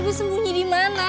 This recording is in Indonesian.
tapi sembunyi di mana